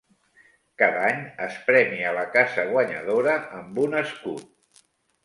Cada any es premia la casa guanyadora amb un escut.